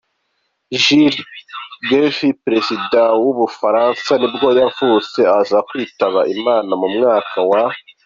Jules Grevy, perezida wa w’ubufaransa nibwo yavutse aza kwitaba Imana mu mwaka w’.